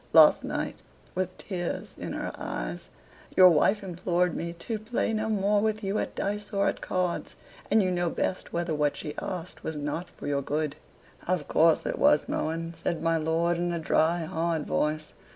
Last night, with tears in her eyes, your wife implored me to play no more with you at dice or at cards, and you know best whether what she asked was not for your good." "Of course, it was, Mohun," says my lord in a dry hard voice.